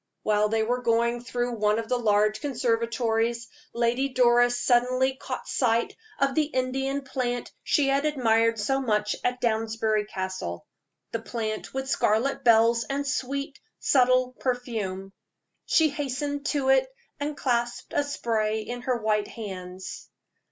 While they were going through one of the large conservatories, Lady Doris suddenly caught sight of the Indian plant she had admired so much at Downsbury Castle the plant with scarlet bells and sweet, subtle perfume. She hastened to it, and clasped a spray in her white hands.